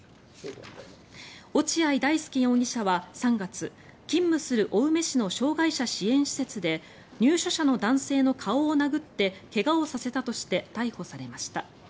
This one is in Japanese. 落合大丞容疑者は３月、勤務する青梅市の障害者支援施設で入所者の男性の顔を殴って怪我をさせたとして逮捕されました。